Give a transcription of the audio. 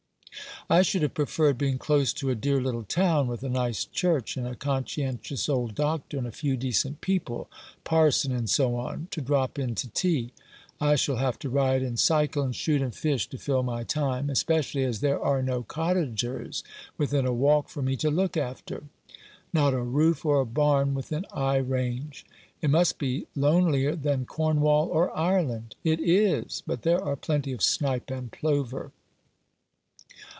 "I should have preferred being close to a dear little town, with a nice church, and a conscientious old doctor, and a few decent people — parson, and so on — to drop in to tea. I shall have to ride and cycle, and shoot and fish to fill my time ; especially as there are no cottagers within a walk for me to look after." " Not a roof or a barn within eye range." "It must be lonelier than Cornwall or Ireland." " It is. But there are plenty of snipe and plover."